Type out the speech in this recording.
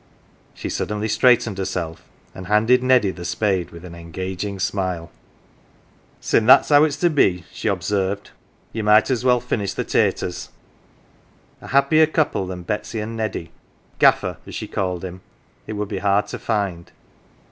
. She suddenly straightened herself, and handed Neddy the spade with an engaging smile.. 27 GAFFER'S CHILD " Sin' that's how it's to be," she observed, "ye might's well finish the taters." A happier couple than Betsy and Neddy " Gaffer," as she called him it would be hard to find.